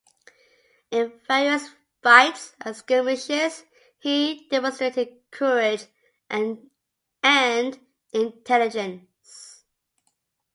In various fights and skirmishes he demonstrated courage and intelligence.